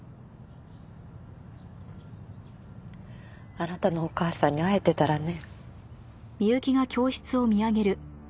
あなたのお母さんに会えてたらね。